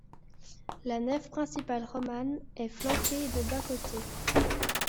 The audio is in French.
La nef principale romane est flanquée de bas-côtés.